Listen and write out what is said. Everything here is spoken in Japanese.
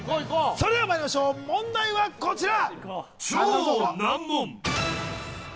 それではまいりましょう、問題はこちら！